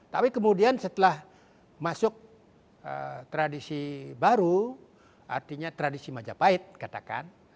tapi kemudian setelah masuk tradisi baru artinya tradisi majapahit katakan